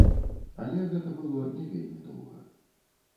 Але гэта было не вельмі доўга.